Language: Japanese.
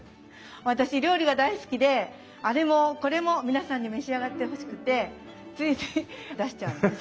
私料理が大好きであれもこれも皆さんに召し上がってほしくてついつい出しちゃうんです。